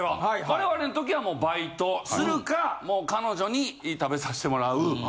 我々の時はバイトするかもう彼女に食べさしてもらう。